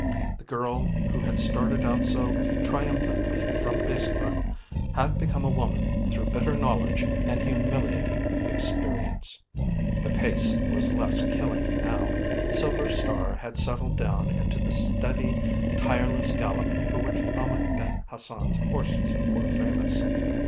The girl who had started out so triumphantly from Biskra had become a woman through bitter knowledge and humiliating experience. The pace was less killing now. Silver Star had settled down into the steady tireless gallop for which Ahmed Ben Hassan's horses were famous.